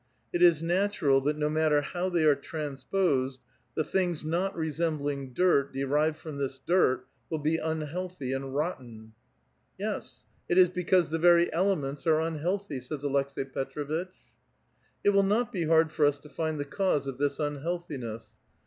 It is natural that no matter how they are transposed, the things not resembling dirt, derived from this dirt will be unhealthy and rotten." "Yes ; it is because the very elements are unhealthy," says Aleks6i Petr6vitch. '' It will not be hard for us to find the cause of this uuhealthiness."